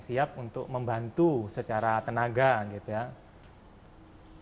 siap untuk membantu secara tenaga gitu ya siap untuk membantu secara tenaga gitu ya